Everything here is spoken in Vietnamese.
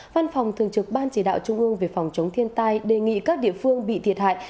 văn phòng thường trực ban chỉ đạo trung ương về phòng chống thiên tai đề nghị các địa phương bị thiệt hại